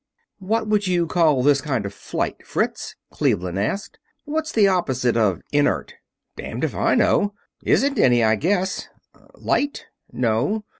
"What would you call this kind of flight, Fritz?" Cleveland asked. "What's the opposite of 'inert'?" "Damned if I know. Isn't any, I guess. Light? No